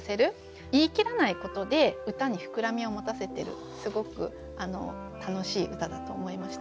言い切らないことで歌に膨らみを持たせてるすごく楽しい歌だと思いました。